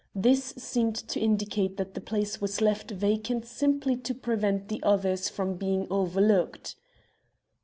This seemed to indicate that the place was left vacant simply to prevent the others from being overlooked."